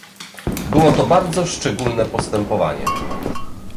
Było to bardzo szczególne postępowanie